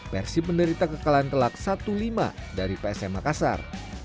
persib menderita kekalahan telak satu lima dari psm makassar